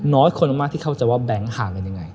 น้อยคนมากที่เข้าใจว่าแบงค์ห่างกันยังไง